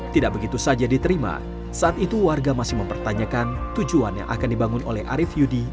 tidak begitu saja diterima saat itu warga masih mempertanyakan tujuan yang akan dibangun oleh arief yudi